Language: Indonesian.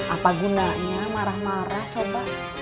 apa gunanya marah marah coba